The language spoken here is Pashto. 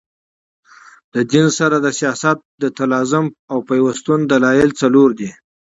د دین سره د سیاست د تلازم او پیوستون دلایل څلور دي.